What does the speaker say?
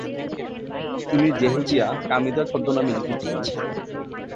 তিনি জেহুদিয়েল কামিদা ছদ্মনামে লিখেছিলেন।